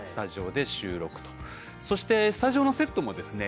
そしてスタジオのセットもですね